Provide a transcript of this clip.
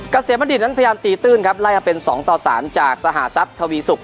เกษตรมณฑิตนั้นพยายามตีตื้นครับไล่เอาเป็นสองต่อสามจากทวีสุก